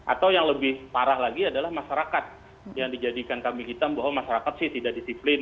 atau yang lebih parah lagi adalah masyarakat yang dijadikan kambing hitam bahwa masyarakat sih tidak disiplin